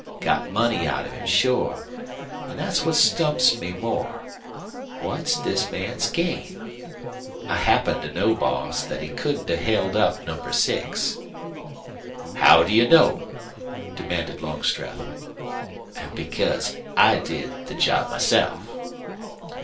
Got money out of him sure. An' that's what stumps me more. What's this man's game? I happen to know, boss, that he couldn't have held up No. 6." "How do you know?" demanded Longstreth. "Because I did the job myself."